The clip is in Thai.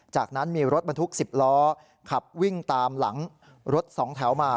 จากนั้นมีรถบรรทุก๑๐ล้อขับวิ่งตามหลังรถสองแถวมา